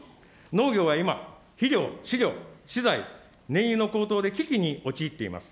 農業は今、肥料、飼料、資材、燃油の高騰で危機に陥っています。